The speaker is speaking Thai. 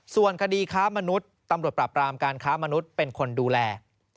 ส่วนคดีค้ามนุษย์ตำรวจปราบรามการค้ามนุษย์เป็นคนดูแล